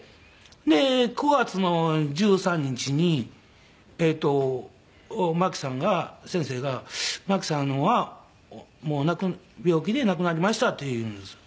で９月の１３日にマキさんが先生が「マキさんは病気で亡くなりました」って言うんです。